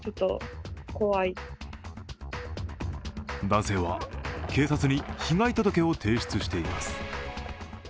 男性は警察に被害届を提出しています。